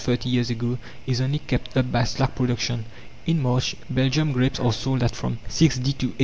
thirty years ago, is only kept up by slack production. In March, Belgium grapes are sold at from 6d. to 8d.